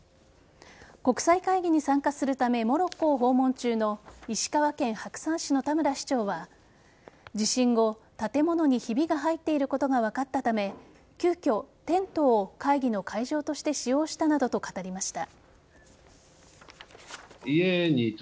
国際会議に参加するためモロッコを訪問中の石川県白山市の田村市長は地震後、建物にひびが入っていることが分かったため急きょ、テントを会議の会場として使用したなどと語りました。